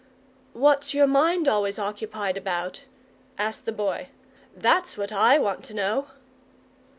"What's your mind always occupied about?" asked the Boy. "That's what I want to know."